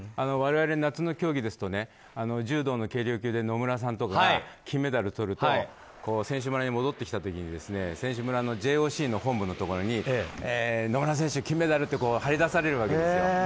我々、夏の競技ですと柔道の軽量級で野村さんとかが金メダルとると選手村に戻ってきた時に選手村のＪＯＣの本部のところに野村選手、金メダルって貼り出されるわけですよ。